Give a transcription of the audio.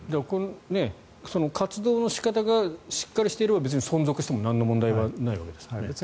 活動の仕方がしっかりしていれば別に存続してもなにも問題ないわけですよね。